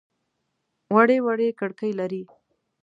وړې وړې کړکۍ لري.